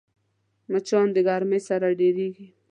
مچان د ګرمۍ سره ډېریږي